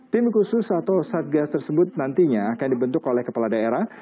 tim khusus atau satgas tersebut nantinya akan dibentuk oleh kepala daerah